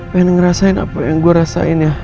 pengen ngerasain apa yang gue rasain ya